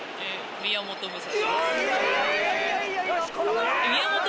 宮本武蔵。